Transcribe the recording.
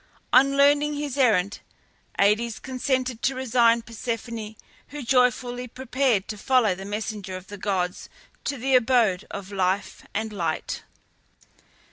On learning his errand, Aïdes consented to resign Persephone, who joyfully prepared to follow the messenger of the gods to the abode of life and light.